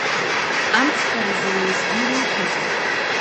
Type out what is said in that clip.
Амцҳәаразы уеизгьы ируҭозеи!